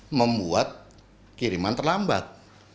ini membuat kiriman terlambat